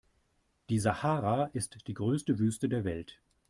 Die Sahara ist die größte Wüste der Welt.